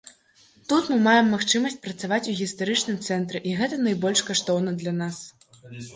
Тут мы маем магчымасць працаваць у гістарычным цэнтры і гэта найбольш каштоўна для нас.